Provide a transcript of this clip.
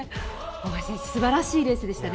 大橋選手素晴らしいレースでしたね。